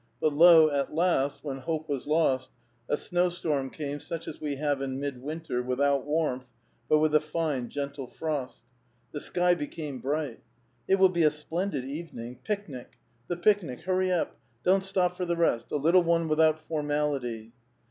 But lo ! at last, when hope was lost, a snow storm came such as we have in midwinter, without warmth, but with a fine gentle frost : the sky became bright. " It will be a splendid evening — picnic ! the picniu, — hurry up ; don't stop for the rest — a little one without formality."